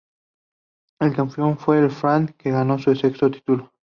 El campeón fue el Fram que ganó su sexto título.